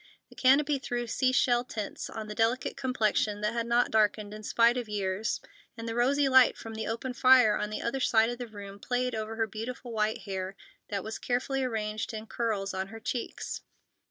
The canopy threw sea shell tints on the delicate complexion that had not darkened in spite of years, and the rosy light from the open fire on the other side of the room played over her beautiful white hair that was carefully arranged in curls on her cheeks.